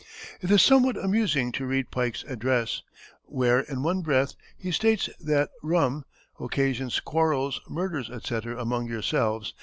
It is somewhat amusing to read Pike's address, where in one breath he states that rum "occasions quarrels, murders, etc., among yourselves.